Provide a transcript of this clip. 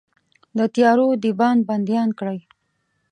د تیارو دیبان بنديان کړئ